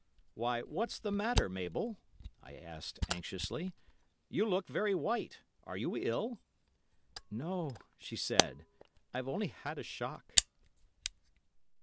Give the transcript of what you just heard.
'Why, what's the matter, Mabel?' I asked anxiously; 'you look very white! Are you ill?' 'No,' she said. 'I've only had a shock.